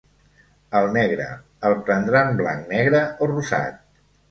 El negre, el prendran blanc, negre o rosat?